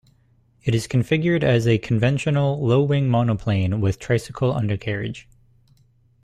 It is configured as a conventional, low-wing monoplane with tricycle undercarriage.